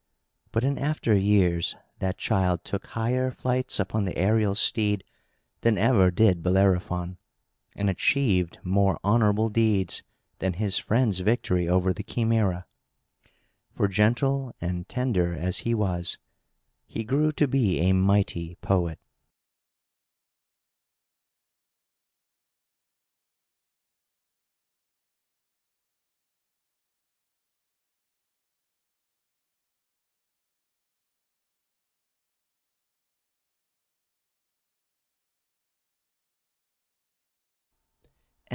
But, in after years, that child took higher flights upon the aërial steed than ever did Bellerophon, and achieved more honourable deeds than his friend's victory over the Chimæra. For, gentle and tender as he was, he grew to be a mighty poet!